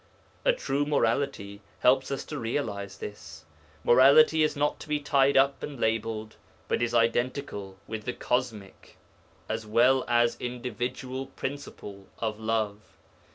A true morality helps us to realize this morality is not to be tied up and labelled, but is identical with the cosmic as well as individual principle of Love.